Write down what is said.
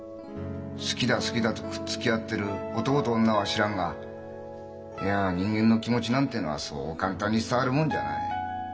好きだ好きだとくっつき合ってる男と女は知らんがいや人間の気持ちなんていうのはそう簡単に伝わるもんじゃない。